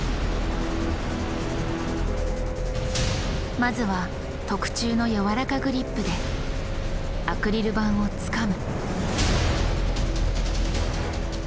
まずは特注のやわらかグリップでアクリル板をつかむ。